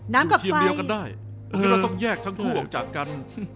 น้ำกับไฟก็ไม่สามารถอยู่ทีมเดียวกันได้เราต้องแยกทั้งคู่ออกจากกัน